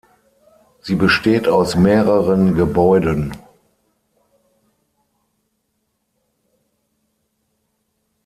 Sie besteht aus mehreren Gebäuden.